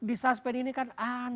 di suspend ini kan aneh